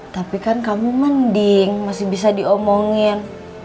tapi kan kamu mending masih bisa diomongin